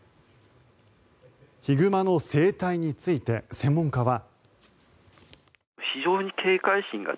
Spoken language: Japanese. ヒグマの生態について専門家は。